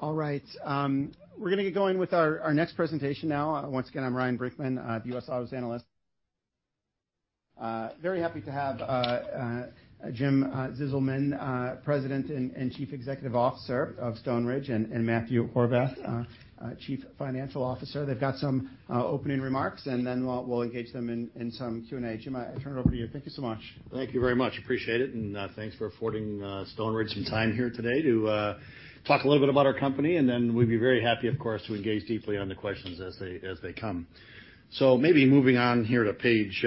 All right, we're gonna get going with our, our next presentation now. Once again, I'm Ryan Brinkman, the U.S. autos analyst. Very happy to have Jim Zizelman, President and Chief Executive Officer of Stoneridge, and Matthew Horvath, Chief Financial Officer. They've got some opening remarks, then we'll engage them in some Q&A. Jim, I turn it over to you. Thank you so much. Thank you very much. Appreciate it, and thanks for affording Stoneridge some time here today to talk a little bit about our company, and then we'd be very happy, of course, to engage deeply on the questions as they, as they come. Maybe moving on here to page,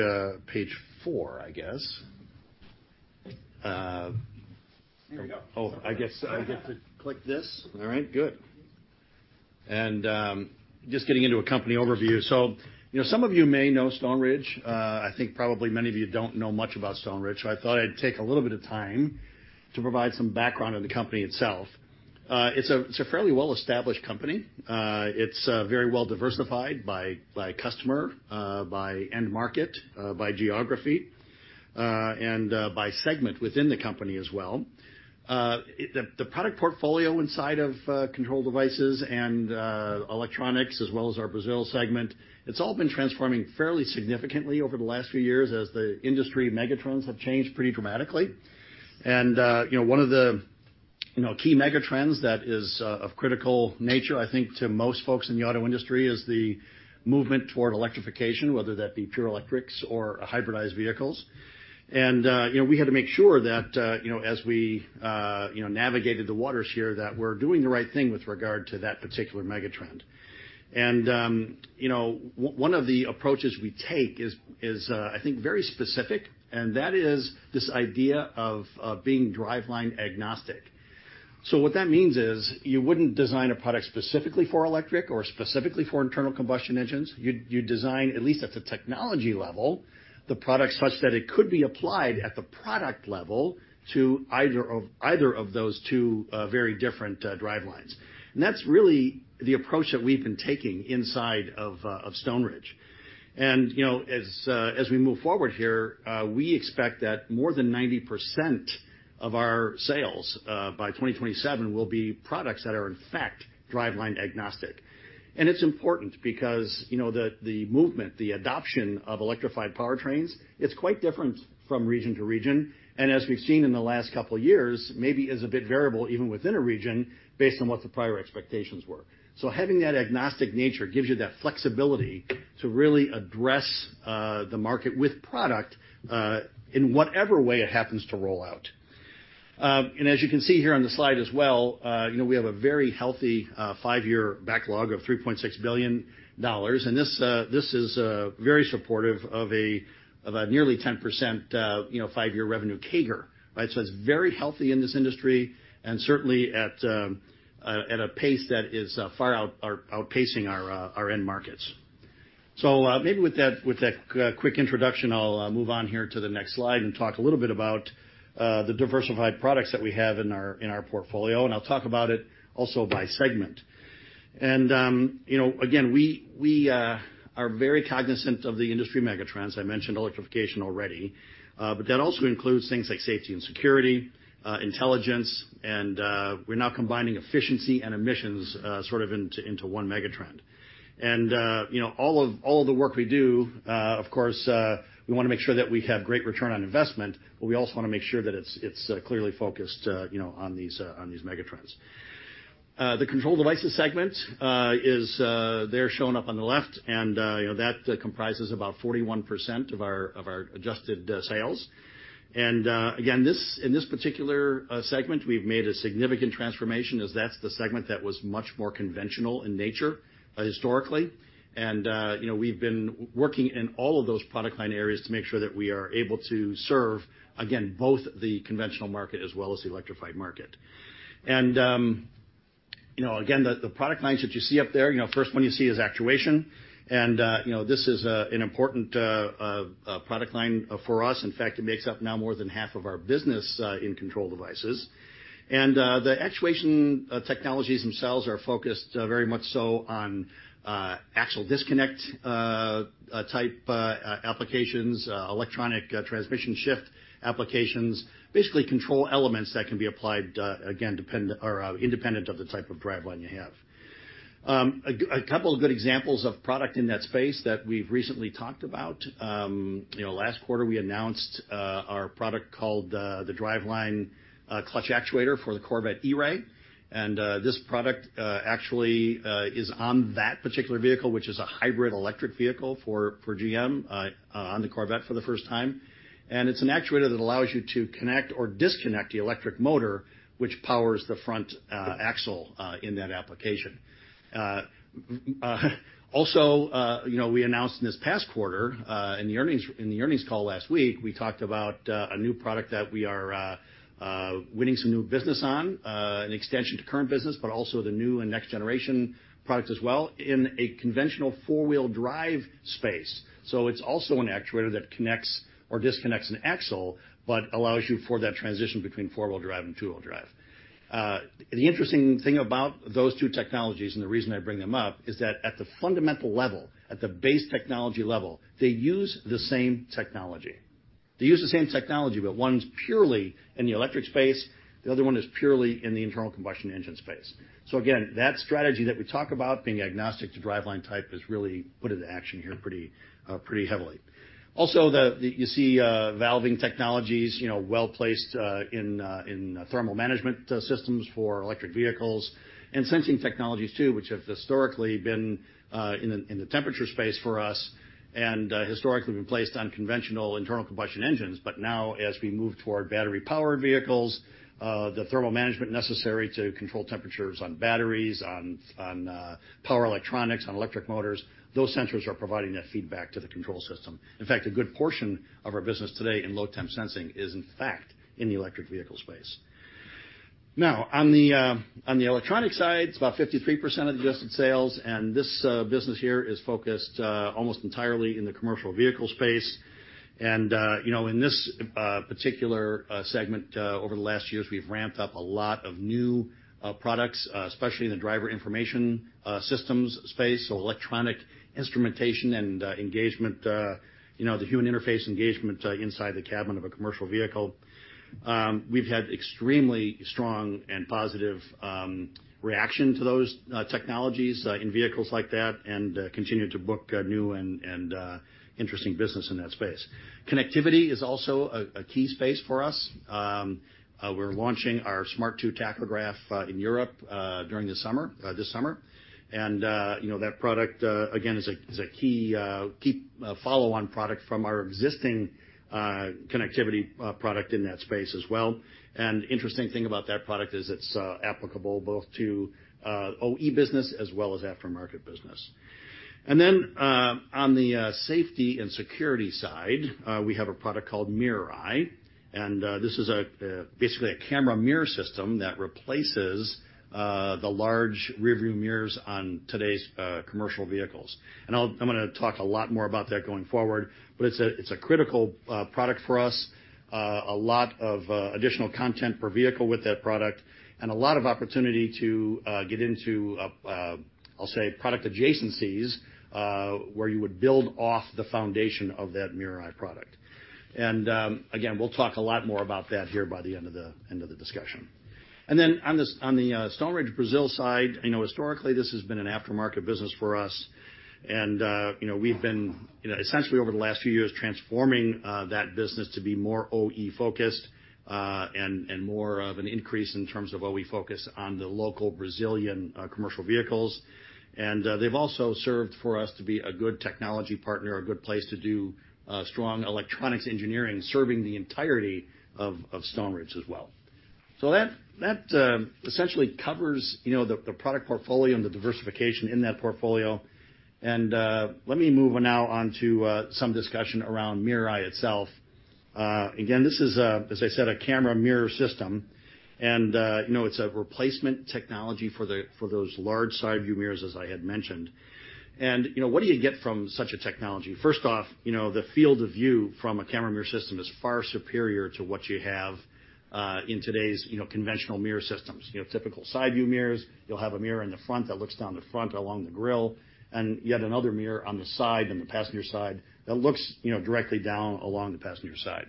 page four, I guess. Here we go. Oh, I guess I get to click this. All right, good. Just getting into a company overview. You know, some of you may know Stoneridge. I think probably many of you don't know much about Stoneridge, so I thought I'd take a little bit of time to provide some background on the company itself. It's a, it's a fairly well-established company. It's very well diversified by, by customer, by end market, by geography, and by segment within the company as well. The product portfolio inside of Control Devices and electronics, as well as our Brazil segment, it's all been transforming fairly significantly over the last few years as the industry megatrends have changed pretty dramatically. You know, one of the, you know, key megatrends that is of critical nature, I think, to most folks in the auto industry, is the movement toward electrification, whether that be pure electrics or hybridized vehicles. You know, we had to make sure that, you know, as we, you know, navigated the waters here, that we're doing the right thing with regard to that particular megatrend. You know, one of the approaches we take is, is, I think, very specific, and that is this idea of, of being driveline agnostic. What that means is, you wouldn't design a product specifically for electric or specifically for internal combustion engines. You'd design, at least at the technology level, the product such that it could be applied at the product level to either of, either of those two, very different, drivelines. That's really the approach that we've been taking inside of Stoneridge. You know, as we move forward here, we expect that more than 90% of our sales by 2027, will be products that are, in fact, driveline agnostic. It's important because, you know, the movement, the adoption of electrified powertrains, it's quite different from region to region, and as we've seen in the last couple of years, maybe is a bit variable, even within a region, based on what the prior expectations were. Having that agnostic nature gives you that flexibility to really address the market with product in whatever way it happens to roll out. As you can see here on the slide as well, you know, we have a very healthy, five-year backlog of $3.6 billion, and this, this is very supportive of a, of a nearly 10%, you know, five-year revenue CAGR. Right? It's very healthy in this industry and certainly at a pace that is far out- or outpacing our end markets. Maybe with that, with that, quick introduction, I'll move on here to the next slide and talk a little bit about the diversified products that we have in our, in our portfolio, and I'll talk about it also by segment. You know, again, we, we are very cognizant of the industry megatrends. I mentioned electrification already, but that also includes things like safety and security, intelligence, and we're now combining efficiency and emissions, sort of into, into one megatrend. You know, all of, all of the work we do, of course, we wanna make sure that we have great return on investment, but we also wanna make sure that it's, it's clearly focused, you know, on these, on these megatrends. The Control Devices segment is there shown up on the left, and, you know, that comprises about 41% of our, of our adjusted sales. Again, in this particular segment, we've made a significant transformation, as that's the segment that was much more conventional in nature, historically. You know, we've been working in all of those product line areas to make sure that we are able to serve, again, both the conventional market as well as the electrified market. You know, again, the product lines that you see up there, you know, first one you see is actuation. You know, this is an important product line for us. In fact, it makes up now more than half of our business in Control Devices. The actuation technologies themselves are focused very much so on axle disconnect type applications, electronic transmission shift applications. Basically, control elements that can be applied again, independent of the type of driveline you have. A couple of good examples of product in that space that we've recently talked about. You know, last quarter, we announced our product called the Driveline Disconnect Actuator for the Corvette E-Ray. This product actually is on that particular vehicle, which is a hybrid electric vehicle for GM on the Corvette for the first time. It's an actuator that allows you to connect or disconnect the electric motor, which powers the front axle in that application. Also, you know, we announced in this past quarter, in the earnings, in the earnings call last week, we talked about a new product that we are winning some new business on, an extension to current business, but also the new and next-generation products as well, in a conventional four-wheel drive space. It's also an actuator that connects or disconnects an axle, but allows you for that transition between four-wheel drive and two-wheel drive. The interesting thing about those two technologies, and the reason I bring them up, is that at the fundamental level, at the base technology level, they use the same technology. They use the same technology, but one's purely in the electric space, the other one is purely in the internal combustion engine space. Again, that strategy that we talk about, being agnostic to driveline type, is really put into action here pretty, pretty heavily. Also, you see valving technologies, you know, well placed in thermal management systems for electric vehicles and sensing technologies, too, which have historically been in the temperature space for us and historically been placed on conventional internal combustion engines. Now, as we move toward battery-powered vehicles, the thermal management necessary to control temperatures on batteries, on power electronics, on electric motors, those sensors are providing that feedback to the control system. In fact, a good portion of our business today in low temp sensing is, in fact, in the electric vehicle space. On the, on the electronic side, it's about 53% of adjusted sales, and this business here is focused almost entirely in the commercial vehicle space. You know, in this particular segment, over the last years, we've ramped up a lot of new products, especially in the driver information systems space, so electronic instrumentation and engagement, you know, the human interface engagement inside the cabin of a commercial vehicle. We've had extremely strong and positive reaction to those technologies in vehicles like that and continue to book new and, and interesting business in that space. Connectivity is also a key space for us. We're launching our Smart 2 tachograph in Europe during the summer, this summer. You know, that product, again, is a key, key, follow-on product from our existing, connectivity, product in that space as well. Interesting thing about that product is it's applicable both to OE business as well as aftermarket business. Then on the safety and security side, we have a product called MirrorEye, and this is a basically, a camera mirror system that replaces the large rearview mirrors on today's commercial vehicles. I'm gonna talk a lot more about that going forward, but it's a, it's a critical product for us. A lot of additional content per vehicle with that product, and a lot of opportunity to get into, I'll say, product adjacencies, where you would build off the foundation of that MirrorEye product. Again, we'll talk a lot more about that here by the end of the, end of the discussion. Then on the Stoneridge Brazil side, I know historically, this has been an aftermarket business for us, and, you know, we've been, you know, essentially over the last few years, transforming that business to be more OE focused, and, and more of an increase in terms of OE focus on the local Brazilian commercial vehicles. They've also served for us to be a good technology partner, a good place to do strong electronics engineering, serving the entirety of Stoneridge as well. So that, that essentially covers, you know, the product portfolio and the diversification in that portfolio. Let me move on now onto some discussion around MirrorEye itself. Again, this is as I said, a camera mirror system, you know, it's a replacement technology for the for those large side view mirrors, as I had mentioned. You know, what do you get from such a technology? First off, you know, the field of view from a camera mirror system is far superior to what you have in today's, you know, conventional mirror systems. You have typical side view mirrors. You'll have a mirror in the front that looks down the front along the grill, and yet another mirror on the side, on the passenger side, that looks, you know, directly down along the passenger side.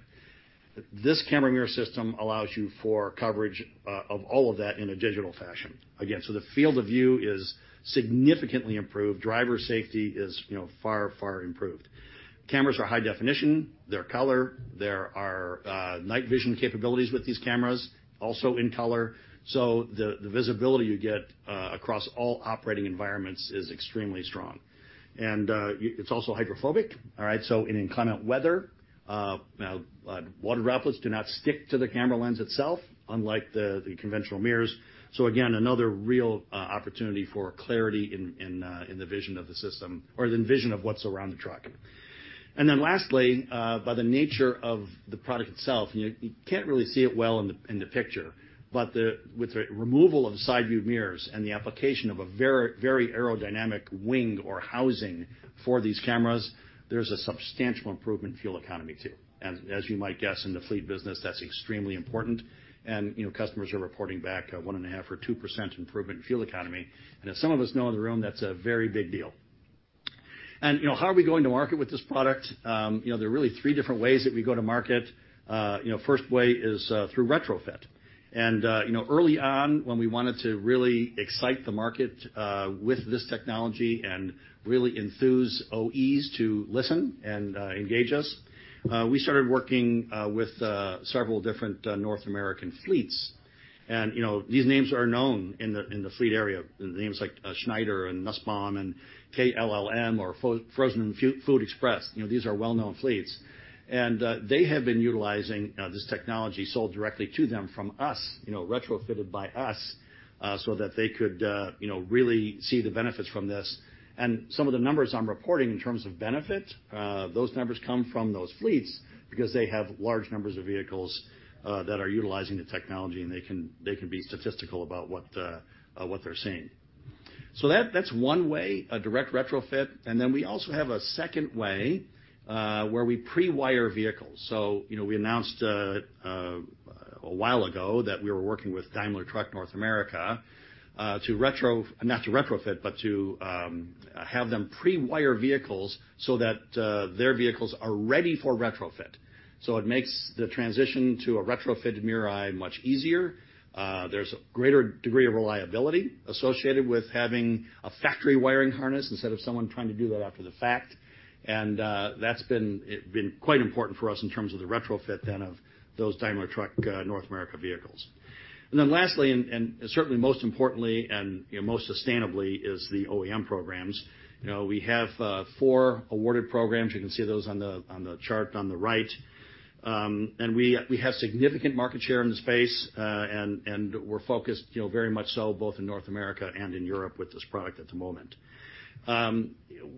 This camera mirror system allows you for coverage of all of that in a digital fashion. Again, so the field of view is significantly improved. Driver safety is, you know, far, far improved. Cameras are high definition, they're color, there are night vision capabilities with these cameras, also in color, so the, the visibility you get across all operating environments is extremely strong. It's also hydrophobic, all right? So in inclement weather, now, water droplets do not stick to the camera lens itself, unlike the, the conventional mirrors. Again, another real opportunity for clarity in, in, in the vision of the system or the vision of what's around the truck. Then lastly, by the nature of the product itself, and you, you can't really see it well in the, in the picture, but the... With the removal of side view mirrors and the application of a very, very aerodynamic wing or housing for these cameras, there's a substantial improvement in fuel economy, too. As you might guess, in the fleet business, that's extremely important. You know, customers are reporting back, 1.5% or 2% improvement in fuel economy. As some of us know in the room, that's a very big deal. You know, how are we going to market with this product? You know, there are really three different ways that we go to market. You know, first way is through retrofit. You know, early on, when we wanted to really excite the market with this technology and really enthuse OEs to listen and engage us, we started working with several different North American fleets. You know, these names are known in the, in the fleet area, the names like Schneider and Nussbaum and KLLM or Frozen Food Express. You know, these are well-known fleets, and they have been utilizing this technology sold directly to them from us, you know, retrofitted by us, so that they could, you know, really see the benefits from this. Some of the numbers I'm reporting in terms of benefit, those numbers come from those fleets because they have large numbers of vehicles that are utilizing the technology, and they can, they can be statistical about what, what they're seeing. That, that's one way, a direct retrofit. We also have a second way where we pre-wire vehicles. You know, we announced a while ago that we were working with Daimler Truck North America to retro, not to retrofit, but to have them pre-wire vehicles so that their vehicles are ready for retrofit. It makes the transition to a retrofit MirrorEye much easier. There's a greater degree of reliability associated with having a factory wiring harness instead of someone trying to do that after the fact. That's been, it's been quite important for us in terms of the retrofit then, of those Daimler Truck North America vehicles. Lastly, and, and certainly most importantly, and, you know, most sustainably, is the OEM programs. You know, we have four awarded programs. You can see those on the, on the chart on the right. We, we have significant market share in the space, and, and we're focused, you know, very much so, both in North America and in Europe with this product at the moment.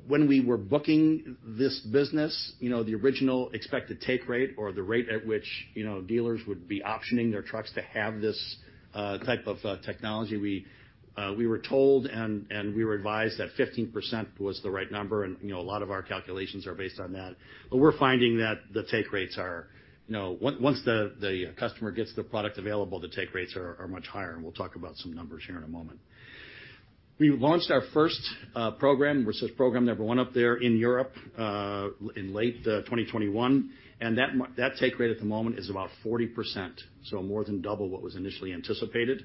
When we were booking this business, you know, the original expected take rate or the rate at which, you know, dealers would be optioning their trucks to have this type of technology, we were told and we were advised that 15% was the right number, and, you know, a lot of our calculations are based on that. We're finding that the take rates are, you know, once the customer gets the product available, the take rates are much higher, and we'll talk about some numbers here in a moment. We launched our first program, which says Program Number One up there in Europe, in late 2021, and that take rate at the moment is about 40%, so more than double what was initially anticipated.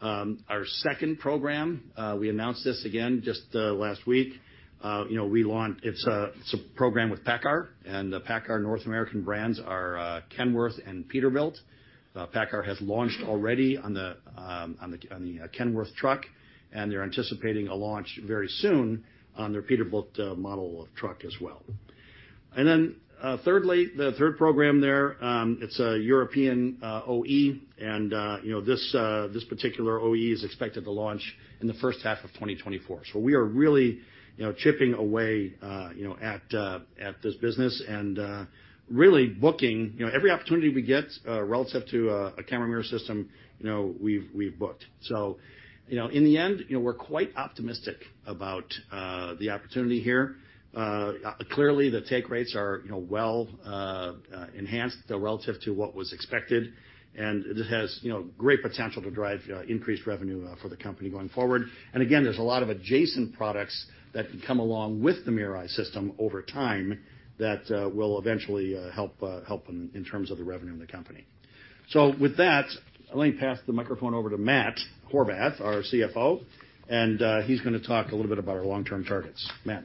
Our second program, we announced this again just last week. You know, it's a, it's a program with PACCAR, and the PACCAR North American brands are Kenworth and Peterbilt. PACCAR has launched already on the, on the, on the Kenworth truck, and they're anticipating a launch very soon on their Peterbilt model of truck as well. Thirdly, the third program there, it's a European OE, and, you know, this particular OE is expected to launch in the first half of 2024. We are really, you know, chipping away, you know, at this business and really booking, you know, every opportunity we get, relative to a camera mirror system, you know, we've, we've booked. You know, in the end, you know, we're quite optimistic about the opportunity here. Clearly, the take rates are, you know, well, enhanced relative to what was expected, and it has, you know, great potential to drive increased revenue for the company going forward. Again, there's a lot of adjacent products that can come along with the MirrorEye system over time that will eventually help in terms of the revenue in the company. With that, let me pass the microphone over to Matt Horvath, our CFO, and he's going to talk a little bit about our long-term targets. Matt?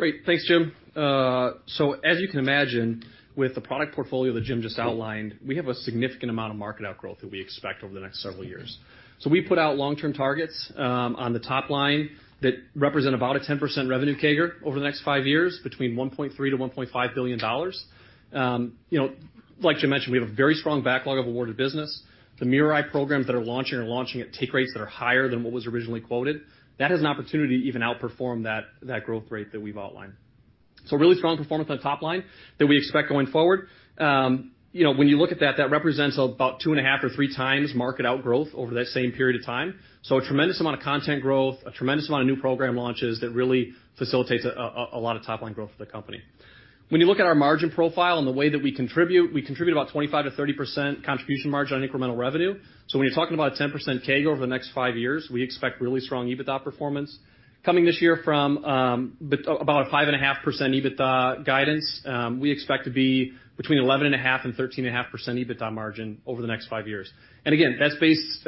Great. Thanks, Jim. As you can imagine, with the product portfolio that Jim just outlined, we have a significant amount of market outgrowth that we expect over the next several years. We put out long-term targets, on the top line that represent about a 10% revenue CAGR over the next five years, between $1.3 billion-$1.5 billion. You know, like Jim mentioned, we have a very strong backlog of awarded business. The MirrorEye programs that are launching are launching at take rates that are higher than what was originally quoted. That has an opportunity to even outperform that, that growth rate that we've outlined. Really strong performance on the top line that we expect going forward. You know, when you look at that, that represents about 2.5x or 3x market outgrowth over that same period of time. A tremendous amount of content growth, a tremendous amount of new program launches that really facilitates a lot of top-line growth for the company. When you look at our margin profile and the way that we contribute, we contribute about 25%-30% contribution margin on incremental revenue. When you're talking about a 10% CAGR over the next five years, we expect really strong EBITDA performance. Coming this year from about a 5.5% EBITDA guidance, we expect to be between 11.5% and 13.5% EBITDA margin over the next five years. Again, that's based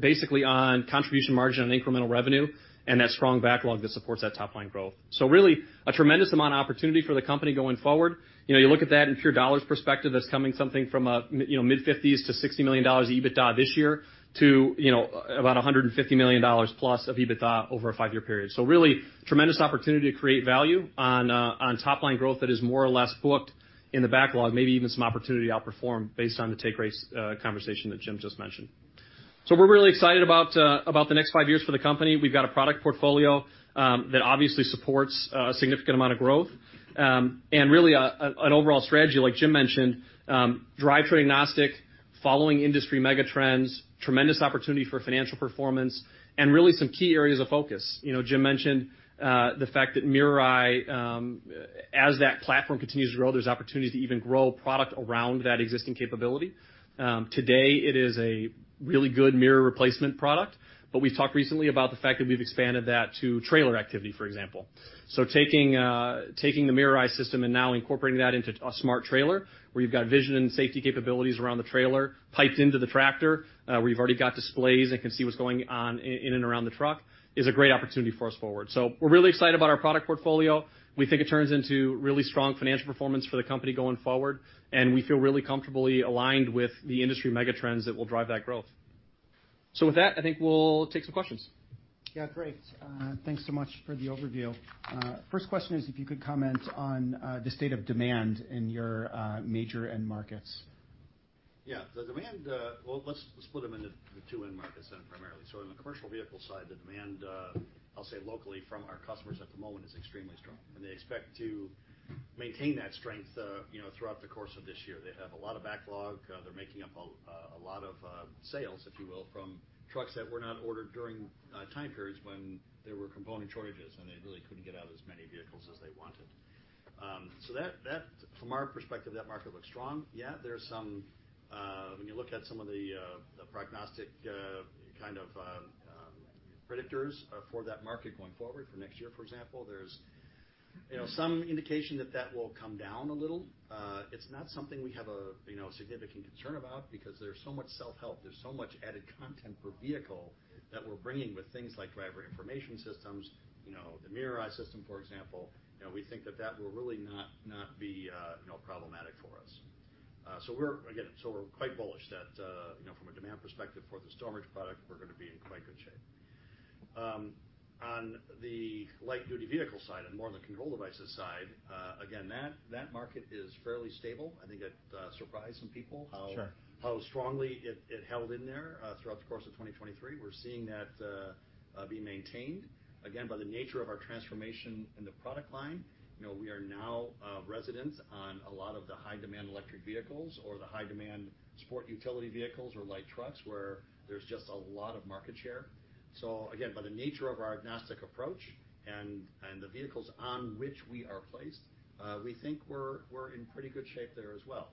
basically on contribution margin on incremental revenue and that strong backlog that supports that top-line growth. Really, a tremendous amount of opportunity for the company going forward. You know, you look at that in pure dollars perspective, that's coming something from a you know, mid-50s to $60 million of EBITDA this year to, you know, about $150 million+ of EBITDA over a five-year period. Really tremendous opportunity to create value on top-line growth that is more or less booked in the backlog, maybe even some opportunity to outperform based on the take rates, conversation that Jim just mentioned. We're really excited about about the next five years for the company. We've got a product portfolio that obviously supports a significant amount of growth, and really an overall strategy, like Jim mentioned, drivetrain agnostic, following industry mega trends, tremendous opportunity for financial performance, and really some key areas of focus. You know, Jim mentioned the fact that MirrorEye, as that platform continues to grow, there's opportunities to even grow product around that existing capability. Today, it is a really good mirror replacement product, but we've talked recently about the fact that we've expanded that to trailer activity, for example. Taking, taking the MirrorEye system and now incorporating that into a smart trailer, where you've got vision and safety capabilities around the trailer, piped into the tractor, where you've already got displays and can see what's going on in and around the truck, is a great opportunity for us forward. We're really excited about our product portfolio. We think it turns into really strong financial performance for the company going forward, and we feel really comfortably aligned with the industry mega trends that will drive that growth. With that, I think we'll take some questions. Yeah, great. Thanks so much for the overview. First question is, if you could comment on the state of demand in your major end markets. Yeah, the demand. Let's split them into the two end markets then, primarily. In the commercial vehicle side, the demand, I'll say locally from our customers at the moment, is extremely strong, and they expect to maintain that strength, you know, throughout the course of this year. They're making up a lot of sales, if you will, from trucks that were not ordered during time periods when there were component shortages, and they really couldn't get out as many vehicles as they wanted. That, from our perspective, that market looks strong. Yeah, there's some, when you look at some of the, the prognostic, kind of, predictors, for that market going forward, for next year, for example, there's, you know, some indication that that will come down a little. It's not something we have a, you know, significant concern about because there's so much self-help, there's so much added content per vehicle that we're bringing with things like driver information systems, you know, the MirrorEye system, for example, you know, we think that that will really not, not be, you know, problematic for us. We're, again, so we're quite bullish that, you know, from a demand perspective for the Stoneridge product, we're gonna be in quite good shape. On the light-duty vehicle side and more on the Control Devices side, again, that, that market is fairly stable. I think that surprised some people- Sure. how, how strongly it, it held in there, throughout the course of 2023. We're seeing that be maintained. Again, by the nature of our transformation in the product line, you know, we are now resident on a lot of the high-demand electric vehicles or the high-demand sport utility vehicles or light trucks, where there's just a lot of market share. Again, by the nature of our agnostic approach and, and the vehicles on which we are placed, we think we're, we're in pretty good shape there as well.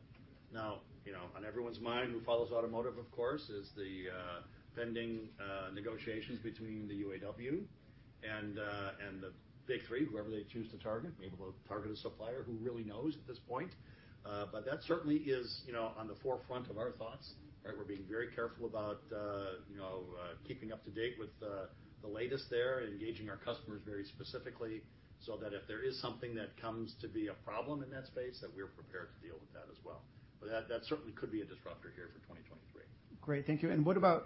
Now, you know, on everyone's mind who follows automotive, of course, is the pending negotiations between the UAW and the Big Three, whoever they choose to target, maybe they'll target a supplier, who really knows at this point? That certainly is, you know, on the forefront of our thoughts, right? We're being very careful about, you know, keeping up to date with the, the latest there and engaging our customers very specifically, so that if there is something that comes to be a problem in that space, that we're prepared to deal with that as well. That, that certainly could be a disruptor here for 2023. Great. Thank you. And what about,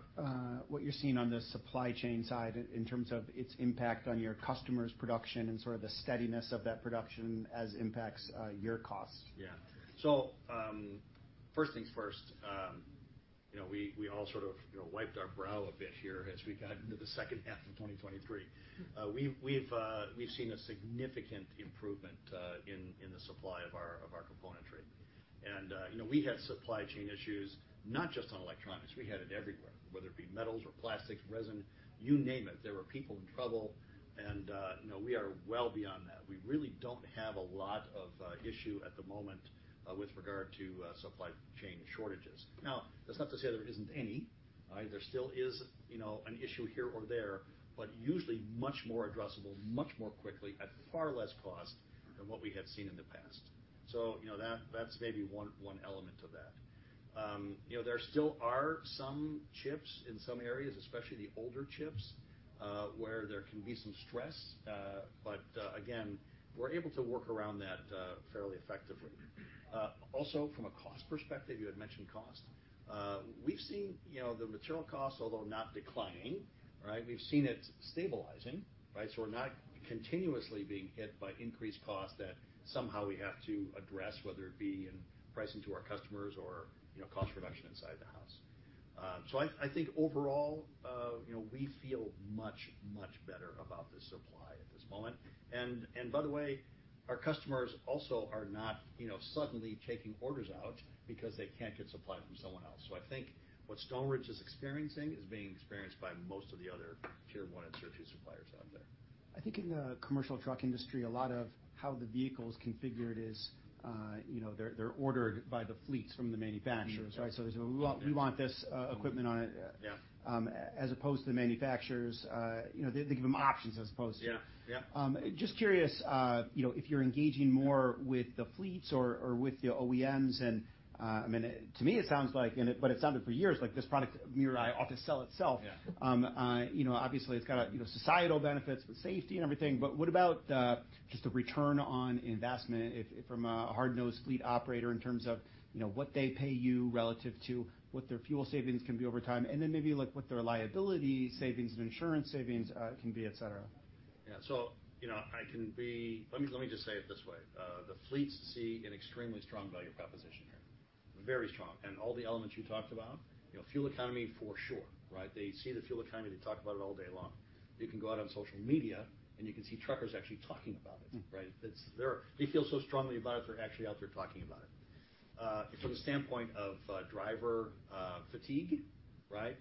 what you're seeing on the supply chain side in terms of its impact on your customers' production and sort of the steadiness of that production as impacts, your costs? Yeah. First things first, you know, we, we all sort of, you know, wiped our brow a bit here as we got into the second half of 2023. We've, we've, we've seen a significant improvement, in, in the supply of our, of our componentry. You know, we had supply chain issues, not just on electronics, we had it everywhere, whether it be metals or plastics, resin, you name it. There were people in trouble, and you know, we are well beyond that. We really don't have a lot of issue at the moment with regard to supply chain shortages. Now, that's not to say there isn't any. There still is, you know, an issue here or there, but usually much more addressable, much more quickly, at far less cost than what we had seen in the past. You know, that, that's maybe one, one element of that. You know, there still are some chips in some areas, especially the older chips, where there can be some stress, but again, we're able to work around that fairly effectively. Also, from a cost perspective, you had mentioned cost. We've seen, you know, the material costs, although not declining, right? We've seen it stabilizing, right? We're not continuously being hit by increased costs that somehow we have to address, whether it be in pricing to our customers or, you know, cost reduction inside the house. I, I think overall, you know, we feel much, much better about the supply at this moment. By the way, our customers also are not, you know, suddenly taking orders out because they can't get supply from someone else. I think what Stoneridge is experiencing is being experienced by most of the other Tier one and Tier two suppliers out there. I think in the commercial truck industry, a lot of how the vehicle is configured is, you know, they're ordered by the fleets from the manufacturers, right? Mm-hmm. We want, we want this equipment on it. Yeah. As opposed to the manufacturers, you know, they give them options, as opposed to. Yeah. Yeah. Just curious, you know, if you're engaging more with the fleets or, or with the OEMs, and, I mean, to me, it sounds like, and, but it's sounded for years, like this product MirrorEye ought to sell itself. Yeah. You know, obviously, it's got, you know, societal benefits with safety and everything, but what about just the return on investment if, from a hard-nosed fleet operator in terms of, you know, what they pay you relative to what their fuel savings can be over time, and then maybe, like, what their liability savings and insurance savings can be, et cetera? Yeah. You know, let me, let me just say it this way: The fleets see an extremely strong value proposition here, very strong. All the elements you talked about, you know, fuel economy, for sure, right? They see the fuel economy, they talk about it all day long. You can go out on social media, and you can see truckers actually talking about it, right? Mm. They feel so strongly about it, they're actually out there talking about it. From the standpoint of driver fatigue, right?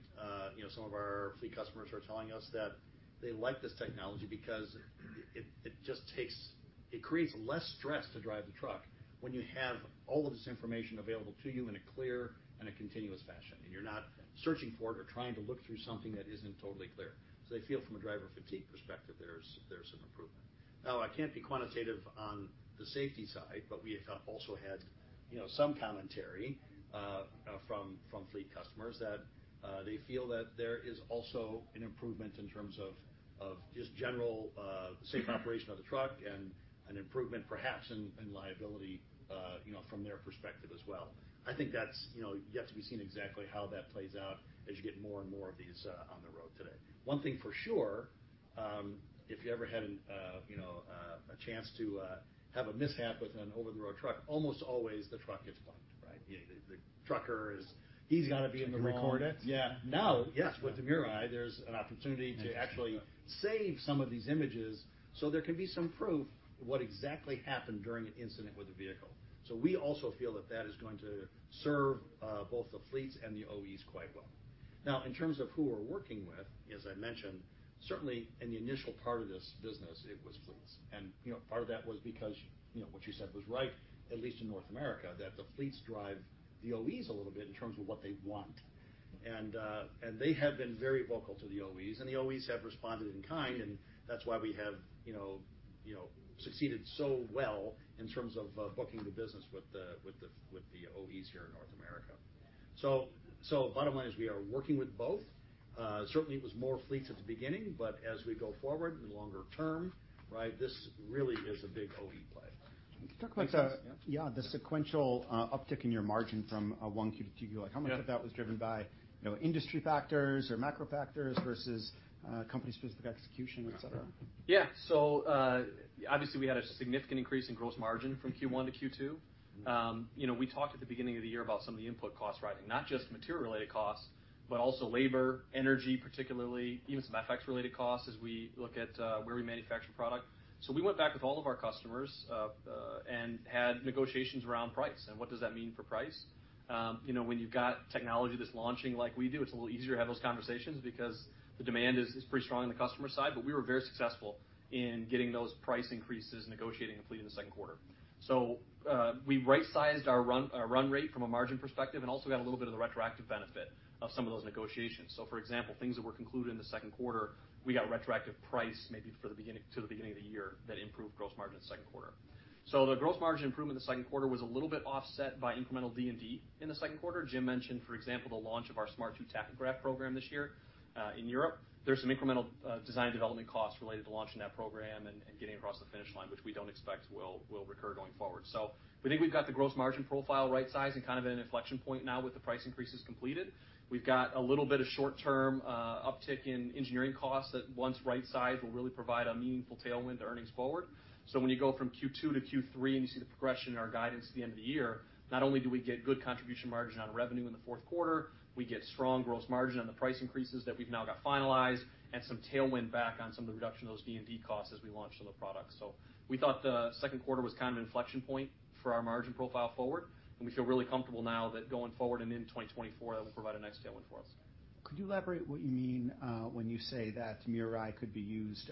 you know, some of our fleet customers are telling us that they like this technology because it creates less stress to drive the truck when you have all of this information available to you in a clear and a continuous fashion, and you're not searching for it or trying to look through something that isn't totally clear. They feel from a driver fatigue perspective, there's an improvement. I can't be quantitative on the safety side, but we have also had, you know, some commentary from fleet customers that they feel that there is also an improvement in terms of just general safe operation of the truck and an improvement, perhaps in liability, you know, from their perspective as well. I think that's, you know, yet to be seen exactly how that plays out as you get more and more of these on the road today. One thing for sure, if you ever had an, you know, a chance to have a mishap with an over-the-road truck, almost always the truck gets blamed, right? The, the, the trucker is- He's got to be able to record it. Yeah. Now, yes, with the MirrorEye, there's an opportunity- Yes to actually save some of these images, so there can be some proof what exactly happened during an incident with the vehicle. We also feel that that is going to serve both the fleets and the OEs quite well. Now, in terms of who we're working with, as I mentioned, certainly in the initial part of this business, it was fleets. You know, part of that was because, you know, what you said was right, at least in North America, that the fleets drive the OEs a little bit in terms of what they want. They have been very vocal to the OEs, and the OEs have responded in kind, and that's why we have, you know, you know, succeeded so well in terms of booking the business with the, with the, with the OEs here in North America. Bottom line is we are working with both. Certainly, it was more fleets at the beginning, but as we go forward in the longer term, right, this really is a big OE play. Can you talk about the- Yeah. Yeah, the sequential uptick in your margin from 1Q to Q2? Yeah. Like, how much of that was driven by, you know, industry factors or macro factors versus, company-specific execution, et cetera? Yeah. Obviously, we had a significant increase in gross margin from Q1 to Q2. You know, we talked at the beginning of the year about some of the input costs rising, not just material-related costs, but also labor, energy, particularly even some FX-related costs, as we look at where we manufacture product. We went back with all of our customers and had negotiations around price. What does that mean for price? You know, when you've got technology that's launching like we do, it's a little easier to have those conversations because the demand is, is pretty strong on the customer side, but we were very successful in getting those price increases, negotiating and completed in the second quarter. we right-sized our run, our run rate from a margin perspective, and also got a little bit of the retroactive benefit of some of those negotiations. For example, things that were concluded in the second quarter, we got retroactive price, maybe for the beginning- to the beginning of the year, that improved gross margin in the second quarter. The gross margin improvement in the second quarter was a little bit offset by incremental D&D in the second quarter. Jim mentioned, for example, the launch of our Smart 2 tachograph program this year in Europe. There's some incremental design and development costs related to launching that program and, and getting across the finish line, which we don't expect will, will recur going forward. We think we've got the gross margin profile right-sized and kind of at an inflection point now with the price increases completed. We've got a little bit of short-term uptick in engineering costs that, once right-sized, will really provide a meaningful tailwind to earnings forward. When you go from Q2 to Q3, and you see the progression in our guidance at the end of the year, not only do we get good contribution margin on revenue in the fourth quarter, we get strong gross margin on the price increases that we've now got finalized and some tailwind back on some of the reduction of those D&D costs as we launch some of the products. We thought the second quarter was kind of an inflection point for our margin profile forward, and we feel really comfortable now that going forward and in 2024, that will provide a nice tailwind for us. Could you elaborate what you mean, when you say that MirrorEye could be used,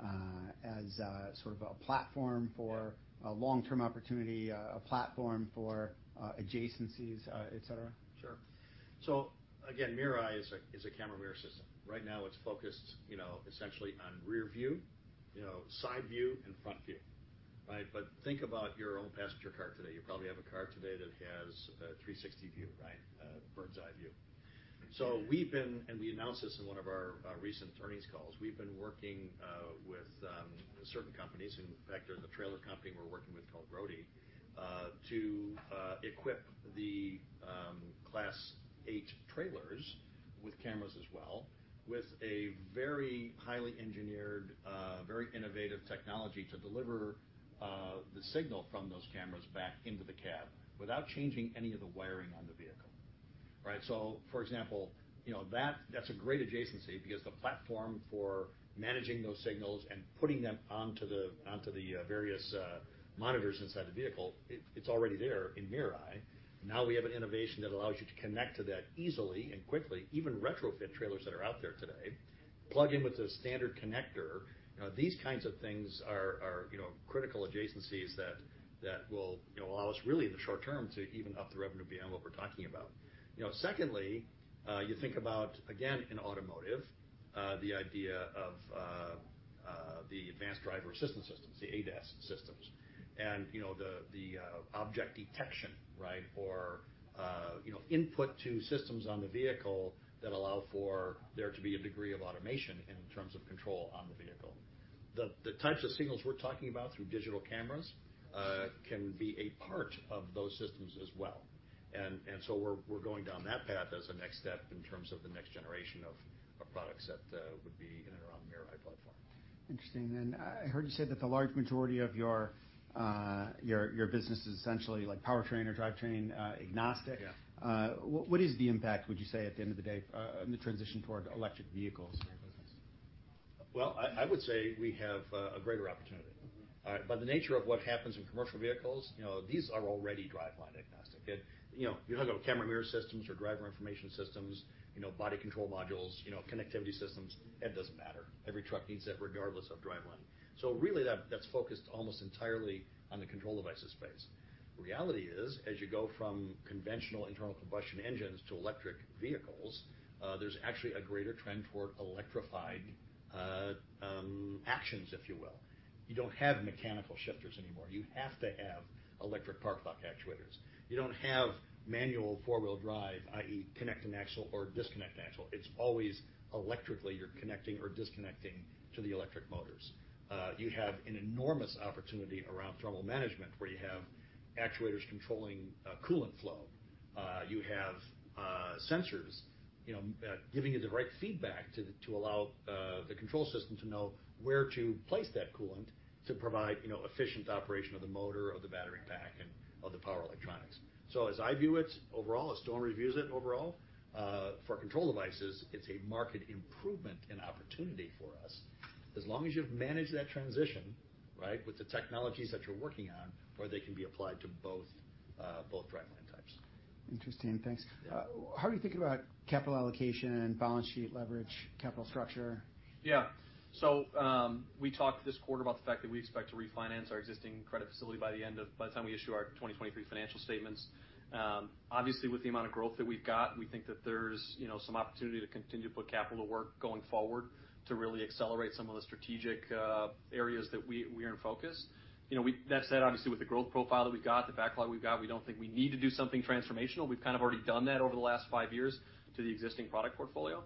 as, sort of a platform for- Yeah. -a long-term opportunity, a platform for, adjacencies, et cetera? Sure. Again, MirrorEye is a, is a camera mirror system. Right now, it's focused, you know, essentially on rear view, you know, side view and front view, right? Think about your own passenger car today. You probably have a car today that has a 360 view, right? A bird's-eye view. We've been. We announced this in one of our recent earnings calls. We've been working with certain companies, in fact, there's a trailer company we're working with called Roadie, to equip the Class 8 trailers with cameras as well, with a very highly engineered, very innovative technology to deliver the signal from those cameras back into the cab without changing any of the wiring on the vehicle. Right? For example, you know, that's a great adjacency because the platform for managing those signals and putting them onto the, onto the various monitors inside the vehicle, it, it's already there in MirrorEye. Now we have an innovation that allows you to connect to that easily and quickly, even retrofit trailers that are out there today, plug in with a standard connector. You know, these kinds of things are, are, you know, critical adjacencies that, that will, you know, allow us really, in the short term, to even up the revenue beyond what we're talking about. You know, secondly, you think about, again, in automotive, the idea of the advanced driver assistance systems, the ADAS systems, and, you know, the, the object detection, right? You know, input to systems on the vehicle that allow for there to be a degree of automation in terms of control on the vehicle. The types of signals we're talking about through digital cameras, can be a part of those systems as well. We're, we're going down that path as the next step in terms of the next generation of products that would be in and around the MirrorEye platform. Interesting. I, I heard you say that the large majority of your, your, your business is essentially like powertrain or drivetrain, agnostic. Yeah. What, what is the impact, would you say, at the end of the day, in the transition toward electric vehicles in your business? Well, I, I would say we have a greater opportunity. Mm-hmm. By the nature of what happens in commercial vehicles, you know, these are already driveline agnostic. You know, you're talking about camera mirror systems or driver information systems, you know, body control modules, you know, connectivity systems, it doesn't matter. Every truck needs it regardless of driveline. Really, that- that's focused almost entirely on the Control Devices space. The reality is, as you go from conventional internal combustion engines to electric vehicles, there's actually a greater trend toward electrified actions, if you will. You don't have mechanical shifters anymore. You have to have electric park lock actuators. You don't have manual four-wheel drive, i.e., connect an axle or disconnect an axle. It's always electrically, you're connecting or disconnecting to the electric motors. You have an enormous opportunity around thermal management, where you have actuators controlling coolant flow. You have sensors, you know, giving you the right feedback to, to allow the control system to know where to place that coolant to provide, you know, efficient operation of the motor or the battery pack and, or the power electronics. As I view it, overall, as Stoneridge views it overall, for Control Devices, it's a market improvement and opportunity for us. As long as you've managed that transition. Right? With the technologies that you're working on, or they can be applied to both, both driveline types. Interesting. Thanks. Yeah. How are you thinking about capital allocation and balance sheet leverage, capital structure? We talked this quarter about the fact that we expect to refinance our existing credit facility by the end of by the time we issue our 2023 financial statements. Obviously, with the amount of growth that we've got, we think that there's, you know, some opportunity to continue to put capital to work going forward, to really accelerate some of the strategic areas that we are in focus. You know, that said, obviously, with the growth profile that we've got, the backlog we've got, we don't think we need to do something transformational. We've kind of already done that over the last five years to the existing product portfolio.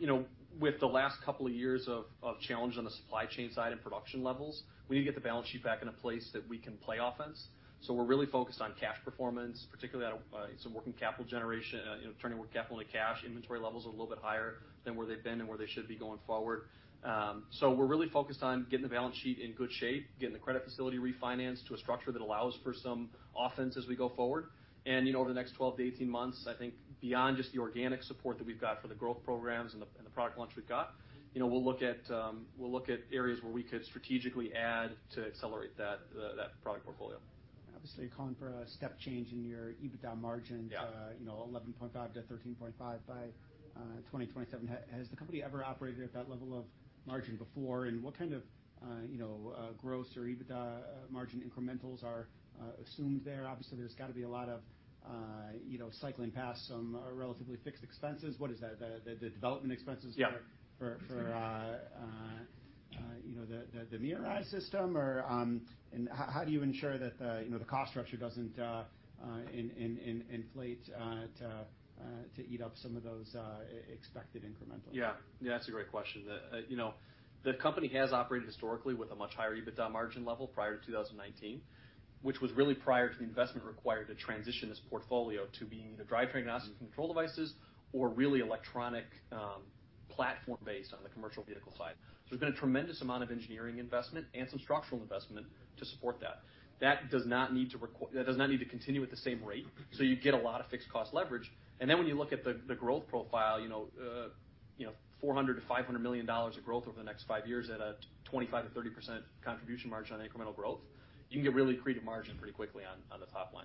You know, with the last couple of years of, of challenge on the supply chain side and production levels, we need to get the balance sheet back in a place that we can play offense. We're really focused on cash performance, particularly at some working capital generation, you know, turning working capital into cash. Inventory levels are a little bit higher than where they've been and where they should be going forward. We're really focused on getting the balance sheet in good shape, getting the credit facility refinanced to a structure that allows for some offense as we go forward. You know, over the next 12 to 18 months, I think beyond just the organic support that we've got for the growth programs and the, and the product launch we've got, you know, we'll look at, we'll look at areas where we could strategically add to accelerate that, the, that product portfolio. Obviously, you're calling for a step change in your EBITDA margin- Yeah., you know, 11.5%-13.5% by 2027. Has the company ever operated at that level of margin before? What kind of, you know, gross or EBITDA, margin incrementals are assumed there? Obviously, there's got to be a lot of, you know, cycling past some, relatively fixed expenses. What is that? The, the, the development expenses- Yeah... for, for, you know, the, the, the MirrorEye system or. How, how do you ensure that the, you know, the cost structure doesn't, in, in, in, inflate, to, to eat up some of those, expected incremental? Yeah. Yeah, that's a great question. The, you know, the company has operated historically with a much higher EBITDA margin level prior to 2019, which was really prior to the investment required to transition this portfolio to being the drivetrain, diagnostics, and Control Devices or really electronic, platform-based on the commercial vehicle side. There's been a tremendous amount of engineering investment and some structural investment to support that. That does not need to continue at the same rate, so you get a lot of fixed cost leverage. When you look at the, the growth profile, you know, you know, $400 million-$500 million of growth over the next five years at a 25%-30% contribution margin on the incremental growth, you can get really accretive margin pretty quickly on, on the top line.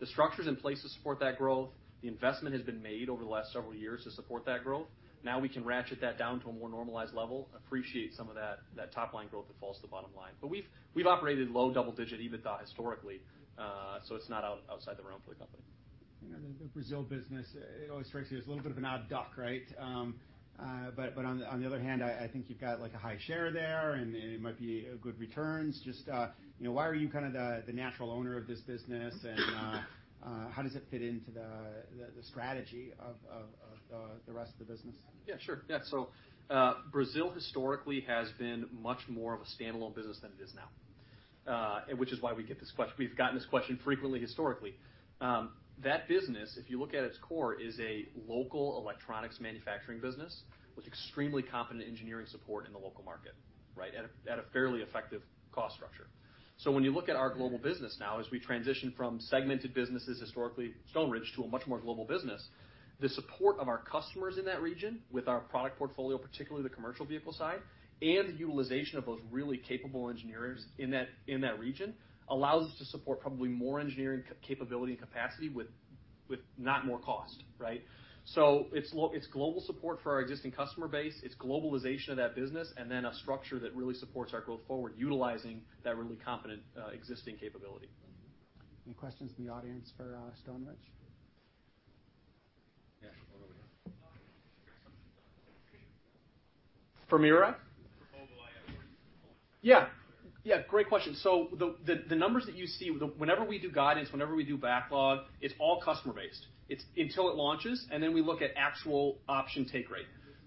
The structure is in place to support that growth. The investment has been made over the last several years to support that growth. Now we can ratchet that down to a more normalized level, appreciate some of that, that top-line growth that falls to the bottom line. We've, we've operated low double-digit EBITDA historically, so it's not outside the realm for the company. You know, the Brazil business, it always strikes me as a little bit of an odd duck, right? On the other hand, I, I think you've got, like, a high share there, and it might be a good returns. Just, you know, why are you kind of the natural owner of this business, and how does it fit into the strategy of the rest of the business? Yeah, sure. Yeah, so, Brazil historically has been much more of a standalone business than it is now, and which is why we get this we've gotten this question frequently historically. That business, if you look at its core, is a local electronics manufacturing business with extremely competent engineering support in the local market, right, at a, at a fairly effective cost structure. When you look at our global business now, as we transition from segmented businesses, historically, Stoneridge, to a much more global business, the support of our customers in that region with our product portfolio, particularly the commercial vehicle side, and the utilization of those really capable engineers in that, in that region, allows us to support probably more engineering capability and capacity with, with not more cost, right? It's global support for our existing customer base, it's globalization of that business, and then a structure that really supports our growth forward, utilizing that really competent, existing capability. Any questions from the audience for Stoneridge? Yeah, over there. For mirror? For mobile, yeah. Yeah. Yeah, great question. The, the, the numbers that you see, whenever we do guidance, whenever we do backlog, it's all customer-based. It's until it launches, and then we look at actual option take rate.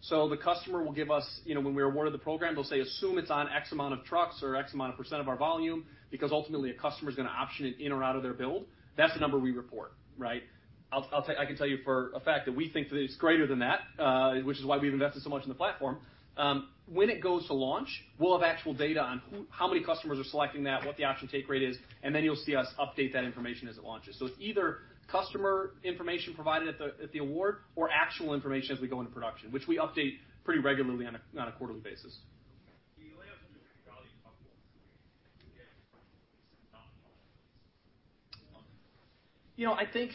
The customer will give us... You know, when we are awarded the program, they'll say, "Assume it's on X amount of trucks or X amount of percent of our volume," because ultimately a customer is gonna option it in or out of their build. That's the number we report, right? I can tell you for a fact that we think that it's greater than that, which is why we've invested so much in the platform. When it goes to launch, we'll have actual data on how many customers are selecting that, what the option take rate is, and then you'll see us update that information as it launches. It's either customer information provided at the, at the award or actual information as we go into production, which we update pretty regularly on a, on a quarterly basis. Can you lay out the value proposal you get? You know, I think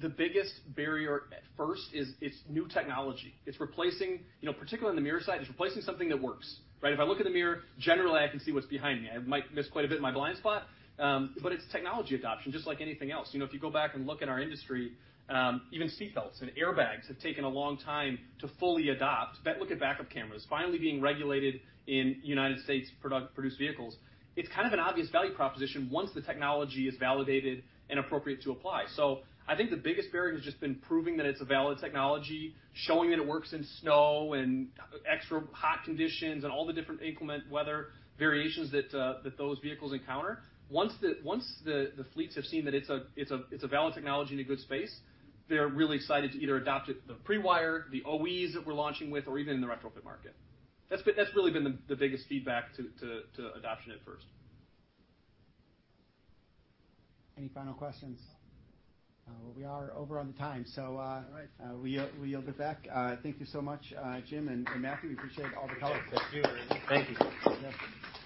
the biggest barrier at first is it's new technology. It's replacing, you know, particularly on the mirror side, it's replacing something that works, right? If I look in the mirror, generally, I can see what's behind me. I might miss quite a bit in my blind spot, but it's technology adoption, just like anything else. You know, if you go back and look in our industry, even seatbelts and airbags have taken a long time to fully adopt. Look at backup cameras, finally being regulated in United States produced vehicles. It's kind of an obvious value proposition once the technology is validated and appropriate to apply. I think the biggest barrier has just been proving that it's a valid technology, showing that it works in snow and extra hot conditions, and all the different inclement weather variations that those vehicles encounter. Once the, once the, the fleets have seen that it's a, it's a, it's a valid technology in a good space, they're really excited to either adopt it, the pre-wire, the OEs that we're launching with, or even in the retrofit market. That's really been the, the biggest feedback to, to, to adoption at first. Any final questions? We are over on the time, so. All right. We yield, we yield it back. Thank you so much, Jim and Matthew. We appreciate all the comments. Thank you. Thank you. Yeah.